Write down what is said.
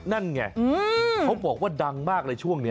นั่นไงเขาบอกว่าดังมากเลยช่วงนี้